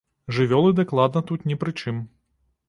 Жывёлы дакладна тут не пры чым.